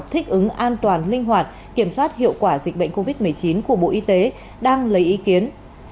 thích ứng an toàn linh hoạt kiểm soát hiệu quả dịch bệnh covid một mươi chín của bộ y tế đang lấy ý kiến